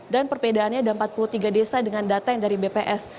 dan perbedaannya ada empat puluh tiga desa dengan data yang dari bps